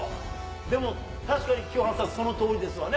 でも確かに、清原さん、そのとおりですわね。